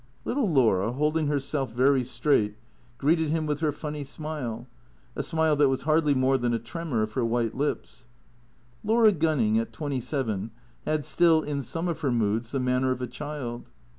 Little Laura, holding herself very straight, greeted him with her funny smile, a smile that was hardly more than a tremor of her white lips. Laura Gunning, at twenty seven, had still in some of her moods the manner of a child.